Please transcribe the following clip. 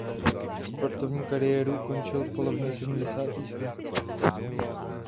Sportovní kariéru ukončil v polovině sedmdesátých let.